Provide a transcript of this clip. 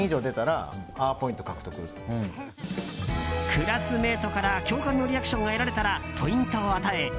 クラスメートから共感のリアクションが得られたらポイントを与え